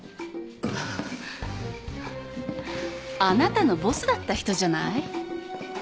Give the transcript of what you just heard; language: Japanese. あなたのボスだった人じゃない？